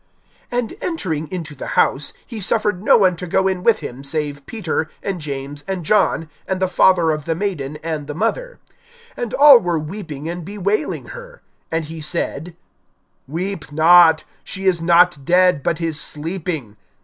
(51)And entering into the house, he suffered no one to go in with him, save Peter and James and John, and the father of the maiden, and the mother. (52)And all were weeping and bewailing her. And he said: Weep not; she is not dead, but is sleeping.